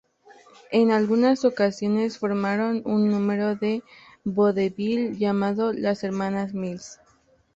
En algunas ocasiones formaron un número de vodevil llamado "Las hermanas Mills".